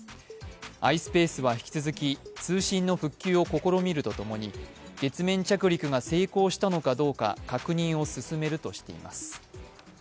ｉｓｐａｃｅは引き続き通信の復旧を試みるとともに月面着陸が成功したのかどうか確認を進めるとしています。